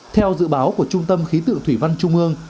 theo dự báo của trung tâm khí tượng thủy văn trung ương